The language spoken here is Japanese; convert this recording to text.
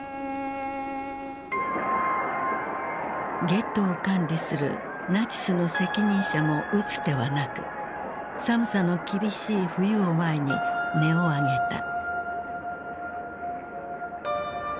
ゲットーを管理するナチスの責任者も打つ手はなく寒さの厳しい冬を前に音を上げた。